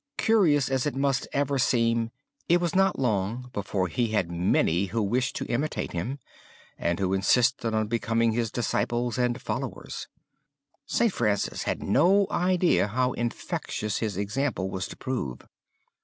Curious as it must ever seem, it was not long before he had many who wished to imitate him and who insisted on becoming his disciples and followers. St. Francis had had no idea how infectious his example was to prove.